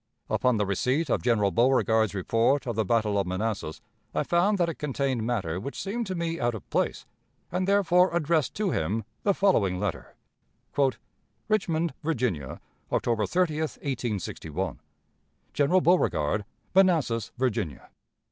Upon the receipt of General Beauregard's report of the battle of Manassas, I found that it contained matter which seemed to me out of place, and therefore addressed to him the following letter: "Richmond, Virginia, October 30, 1861. "General Beauregard, Manassas, Virginia.